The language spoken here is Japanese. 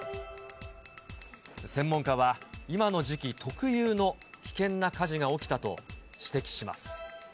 専門家は、今の時期特有の危険な火事が起きたと指摘します。